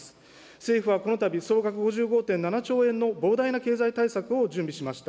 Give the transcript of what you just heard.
政府はこのたび、総額５５．７兆円の膨大な経済対策を準備しました。